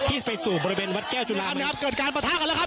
ที่ไปสู่บริเวณวัดแก้วจุฬานะครับเกิดการประทะกันแล้วครับ